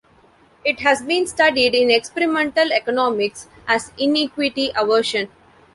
It has been studied in experimental economics as inequity aversion.